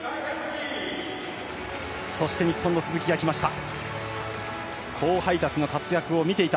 そして日本の鈴木がきました。